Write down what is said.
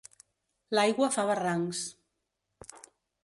L'aigua fa barrancs.